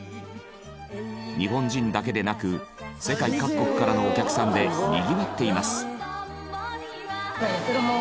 日本人だけでなく世界各国からのお客さんでにぎわっています。